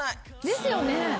ですよね。